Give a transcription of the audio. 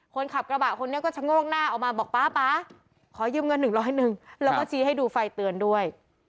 คนขับกระบะคนนี้ก็ชงลงหน้าออกมาบอกป๊าขอยืมเงิน๑๐๑แล้วก็ชี้ให้ดูไฟเตือนด้วย